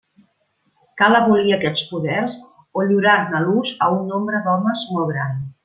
Cal abolir aquests poders o lliurar-ne l'ús a un nombre d'homes molt gran.